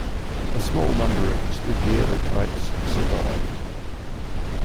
A small number of his daguerreotypes have survived.